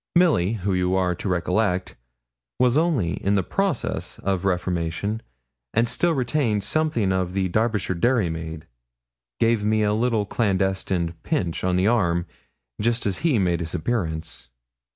Milly, who, you are to recollect, was only in process of reformation, and still retained something of the Derbyshire dairymaid, gave me a little clandestine pinch on the arm just as he made his appearance.